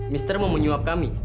mister mau menyuap kami